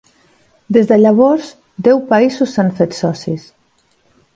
Des de llavors, deu països s'han fet socis.